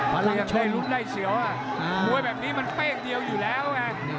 พลังชมได้รุ่นได้เสียวอ่ะอ่ามวยแบบนี้มันเป้งเดียวอยู่แล้วอ่ะ